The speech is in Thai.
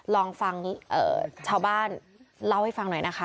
ลองฟังชาวบ้านเล่าให้ฟังหน่อยนะคะ